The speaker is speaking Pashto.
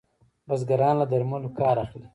بزګران له درملو کار اخلي.